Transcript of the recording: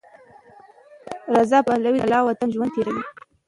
رضا پهلوي د جلاوطنۍ ژوند تېروي.